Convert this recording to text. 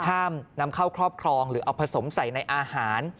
ห้ามนำเข้าครอบครองหรือเอาผสมใส่ในอาหาร